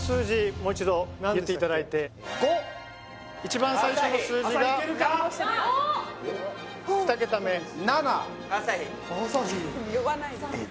もう一度言っていただいて５一番最初の数字が２桁目７えっ